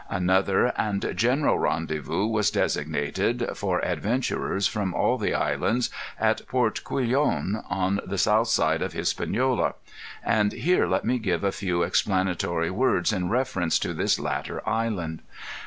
Another and general rendezvous was designated, for adventurers from all the islands, at Port Couillon, on the south side of Hispaniola. And here let me give a few explanatory words in reference to this latter island.